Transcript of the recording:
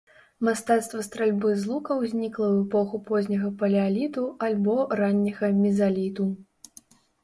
Мастацтва стральбы з лука ўзнікла ў эпоху позняга палеаліту альбо ранняга мезаліту.